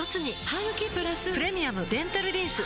ハグキプラス「プレミアムデンタルリンス」